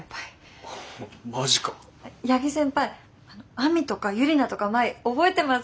亜美とか由利奈とか麻衣覚えてます？